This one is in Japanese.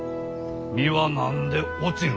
実は何で落ちる？